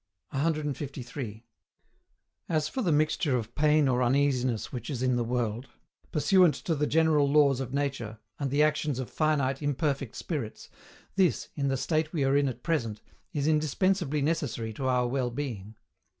153. As for the mixture of pain or uneasiness which is in the world, pursuant to the general laws of nature, and the actions of finite, imperfect spirits, this, in the state we are in at present, is indispensably necessary to our well being.